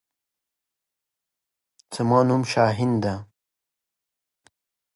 رایپټ له ایوب خان سره مخامخ سو.